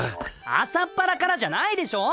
朝っぱらからじゃないでしょ！？